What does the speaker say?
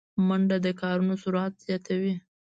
منډه د کارونو سرعت زیاتوي